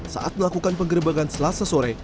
saat melakukan penggerbekan selasa sore